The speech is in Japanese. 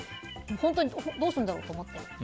本当にどうするんだろうと思ってる。